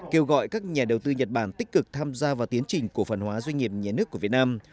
kêu gọi các nhà đầu tư nhật bản tích cực tham gia vào tiến trình cổ phần hóa doanh nghiệp nhà nước của việt nam